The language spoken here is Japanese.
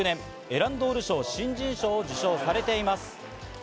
翌年、エランドール賞新人賞を受賞されています。